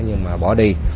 nhưng mà bỏ đi